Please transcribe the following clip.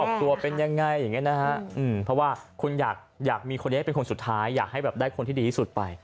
ครอบครัวเป็นยังไงอย่างนี้นะฮะเพราะว่าคุณอยากมีคนนี้เป็นคนสุดท้ายอยากให้แบบได้คนที่ดีที่สุดไป